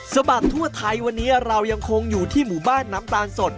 บัดทั่วไทยวันนี้เรายังคงอยู่ที่หมู่บ้านน้ำตาลสด